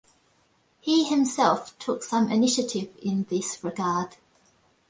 He himself took some initiative in this regard.